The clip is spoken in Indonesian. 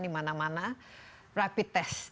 di mana mana rapid test